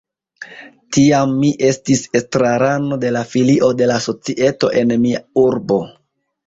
Tiam mi estis estrarano de la filio de la societo en mia urbo.